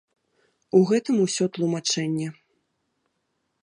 У гэтым усё тлумачэнне.